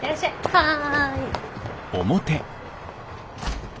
はい。